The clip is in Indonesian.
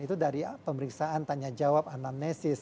itu dari pemeriksaan tanya jawab anamnesis